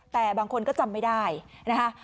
แต่บางคนก็จำไม่ได้นะคะ